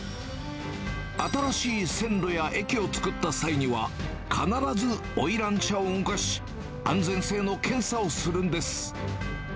新しい線路や駅を作った際には、必ずおいらん車を動かし、安全性の検査をするんです。